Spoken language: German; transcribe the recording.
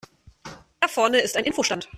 Da vorne ist ein Info-Stand.